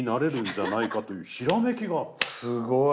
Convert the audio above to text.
すごい。